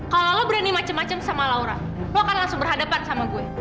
kalo lo berani macem macem sama laura lo akan langsung berhadapan sama gue